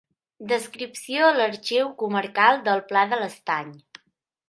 Descripció a l'Arxiu Comarcal del Pla de l'Estany.